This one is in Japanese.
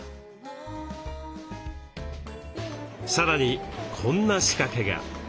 さらにこんな仕掛けが。